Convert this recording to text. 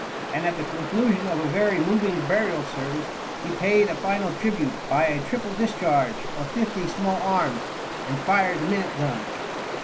And at the conclusion of a very moving burial service he paid a final tribute by "a triple Discharge of 50 small Arms and fired Minute Guns."